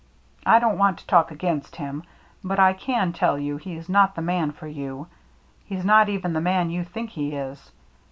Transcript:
I don't want to talk against him ; but I can tell you he's not the man for you ; he's not even the man you think he is.